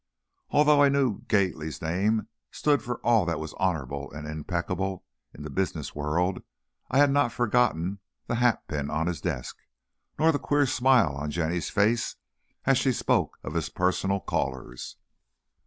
Although I knew Gately's name stood for all that was honorable and impeccable in the business world, I had not forgotten the hatpin on his desk, nor the queer smile on Jenny's face as she spoke of his personal callers.